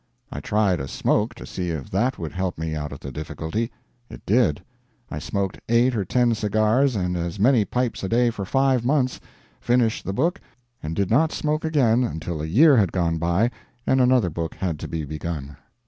I tried a smoke to see if that would help me out of the difficulty. It did. I smoked eight or ten cigars and as many pipes a day for five months; finished the book, and did not smoke again until a year had gone by and another book had to be begun.